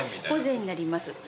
御膳になります。